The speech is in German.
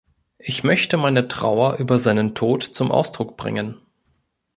Ich möchte meine Trauer über seinen Tod zum Ausdruck bringen.